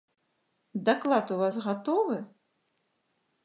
Даклад у вас гатовы?